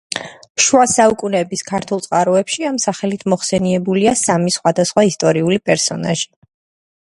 შუა საუკუნეების ქართულ წყაროებში ამ სახელით მოხსენიებულია სამი სხვადასხვა ისტორიული პერსონაჟი.